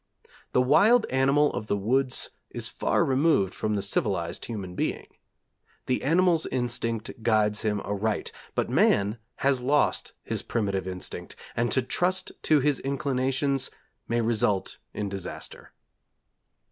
The wild animal of the woods is far removed from the civilized human being. The animal's instinct guides him aright, but man has lost his primitive instinct, and to trust to his inclinations may result in disaster.